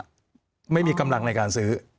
พูดแรกก็จอกไม่มีกำลังในการซื้อ